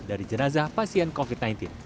dari jenazah pasien covid sembilan belas